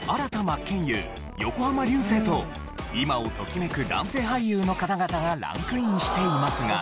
真剣佑横浜流星と今をときめく男性俳優の方々がランクインしていますが。